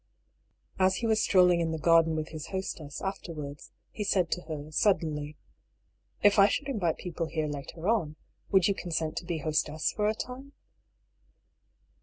As he was strolling in the garden with his hostess afterwards, he said to her, suddenly :" If I should invite people here later on, would you consent to be hostess for a time?"